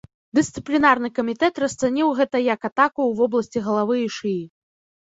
Дысцыплінарны камітэт расцаніў гэта як атаку ў вобласці галавы і шыі.